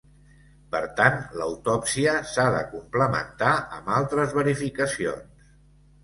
Per tant l'autòpsia s'ha de complementar amb altres verificacions.